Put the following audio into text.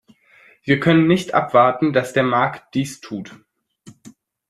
Wir können nicht abwarten, dass der Markt dies tut.